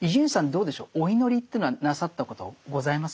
どうでしょうお祈りというのはなさったことございますか？